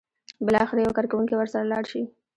بالاخره یو کارکوونکی ورسره لاړ شي.